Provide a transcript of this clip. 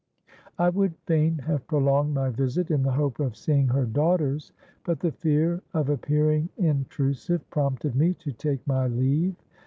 "I would fain have prolonged my visit in the hope of seeing her daughters, but the fear of appearing intrusive prompted me to take my leave.